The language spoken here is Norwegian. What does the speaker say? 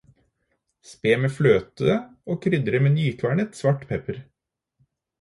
Spe med fløte og krydre med nykvernet svart pepper.